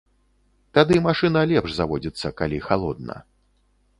Тады машына лепш заводзіцца, калі халодна.